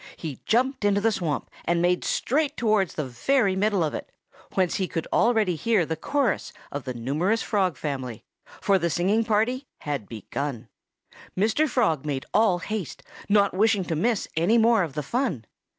He jumped into the swamp and made straight towards the very middle of it, whence he could already hear the chorus of the numerous Frog family; for the singing party had begun. Mr. Frog made all haste, not wishing to miss any more of the fun.